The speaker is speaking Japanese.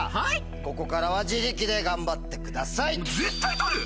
ここからは自力で頑張ってください！